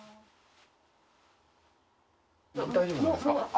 大丈夫なんですか？